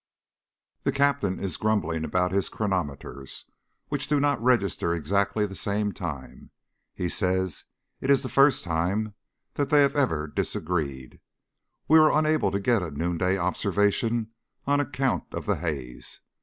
The Captain is grumbling about his chronometers, which do not register exactly the same time. He says it is the first time that they have ever disagreed. We were unable to get a noonday observation on account of the haze.